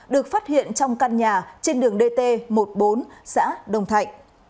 được phát hiện trong căn nhà trên đường dt một mươi bốn xã đồng thạnh